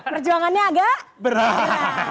perjuangannya agak berat